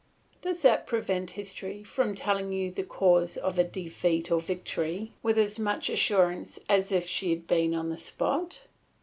Does that prevent history from telling you the cause of defeat or victory with as much assurance as if she had been on the spot?